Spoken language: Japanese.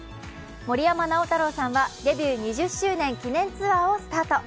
森山直太朗さんはデビュー２０周年記念ツアーをスタート。